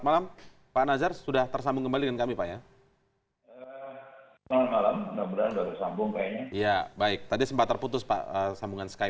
kami akan segera kembali saat lagi